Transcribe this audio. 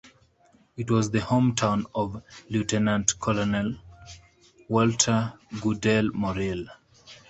It was the hometown of Lieutenant Colonel Walter Goodale Morrill.